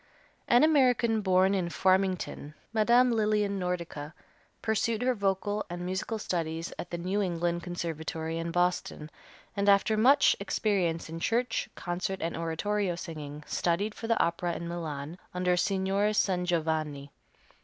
An American, born in Farmington, Me., Lillian Nordica pursued her vocal and musical studies at the New England Conservatory, in Boston, and after much experience in church, concert and oratorio singing, studied for the opera in Milan, under Signor Sangiovanni.